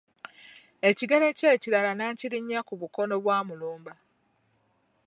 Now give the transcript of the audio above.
Ekigere kye ekirala naakirinnya ku bukono bwa Mulumba.